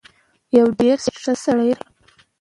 يو ډېر ښه سړی راغی.